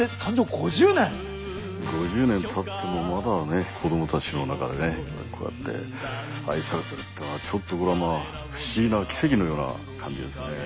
５０年たってもまだね子どもたちの中でねこうやって愛されてるっていうのはちょっとこれはまあ不思議な奇跡のような感じですねえ。